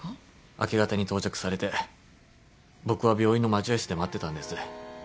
明け方に到着されて僕は病院の待合室で待ってたんです。